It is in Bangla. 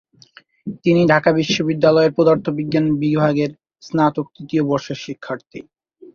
তিনি ঢাকা বিশ্ববিদ্যালয়ের পদার্থবিজ্ঞান বিভাগের স্নাতক তৃতীয় বর্ষের শিক্ষার্থী।